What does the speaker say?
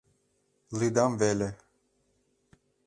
Лӱдам веле...